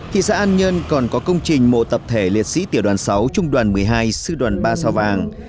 thị xã an nhơn còn có công trình mộ tập thể liệt sĩ tiểu đoàn sáu trung đoàn một mươi hai sư đoàn ba sao vàng